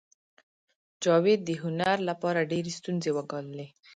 جاوید د هنر لپاره ډېرې ستونزې وګاللې